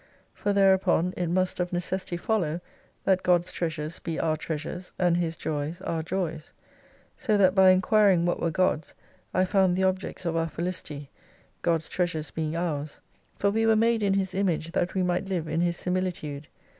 For thereupon it must of necessity follow that God's Treasures be our Treasures, and His 3oy,s our joys. So that by enquiring what were God's, I found the objects of our Felicity, God's Treasures being ours. For we were made in His Image that we might live in His similitude.